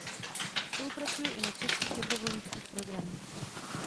Spolupracuje i na českých dobrovolnických programech.